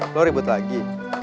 lo ribut lagi